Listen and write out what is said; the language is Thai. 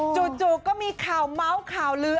จู่ก็มีข่าวเมาส์ข่าวลื้อ